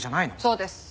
そうです。